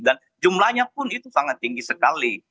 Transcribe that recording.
dan jumlahnya pun itu sangat tinggi sekali